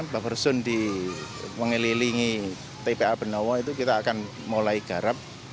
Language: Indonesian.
buffer sun di mengelilingi tpa benowo itu kita akan mulai garap